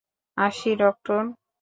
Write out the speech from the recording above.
আসি, ডক্টর।